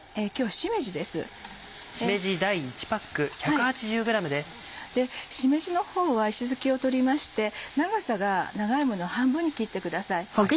しめじの方は石突きを取りまして長さが長いものは半分に切ってください。